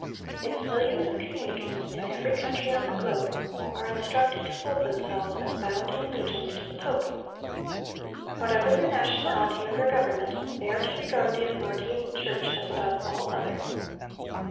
Its millions of communicants, in every country on the globe, are instructed to hold themselves as bound in allegiance to the pope. Whatever their nationality or their government, they are to regard the authority of the church as above all other.